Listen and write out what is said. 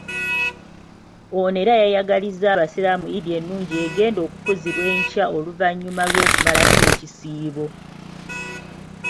Ono era yayagalizza abasiraamu Eid ennungi egenda okukuzibwa enkya oluvannyuma lw'okumalako ekisiibo.